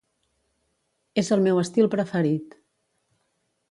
És el meu estil preferit.